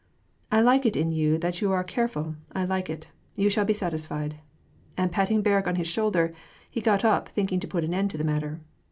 " I like it in you that you are careful, I like it ; you shall be satisfied." And patting Berg on his shoulder,* he got up, thinking to put an end to the matter.